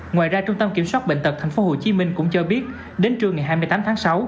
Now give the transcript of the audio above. ngoài ra trung tâm kiểm soát bệnh tật tp hcm cũng cho biết đến trưa ngày hai mươi tám tháng sáu